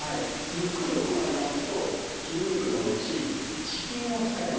ゆっくり行いますと筋肉のうち遅筋を使います。